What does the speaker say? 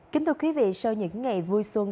kính thưa quý vị sau những ngày vui xuân